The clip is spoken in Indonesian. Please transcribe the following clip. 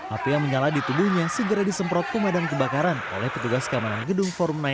api yang menyala di tubuhnya segera disemprot ke medan kebakaran oleh petugas keamanan gedung forum sembilan